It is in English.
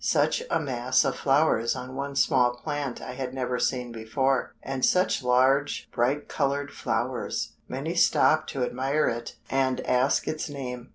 Such a mass of flowers on one small plant I had never seen before, and such large, bright colored flowers! Many stopped to admire it, and ask its name.